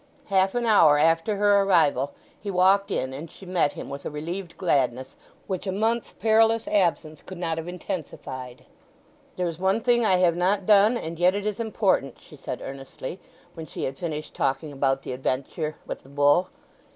Half an hour after her arrival he walked in, and she met him with a relieved gladness, which a month's perilous absence could not have intensified. "There is one thing I have not done; and yet it is important," she said earnestly, when she had finished talking about the adventure with the bull.